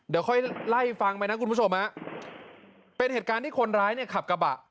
เดี๋ยวค่อยไล่ฟังไปนะคุณผู้ชมฮะเป็นเหตุการณ์ที่คนร้ายเนี่ยขับกระบะ